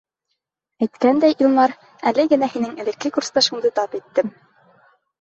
Әйткәндәй, Илмар, әле генә һинең элекке курсташыңды тап иттем.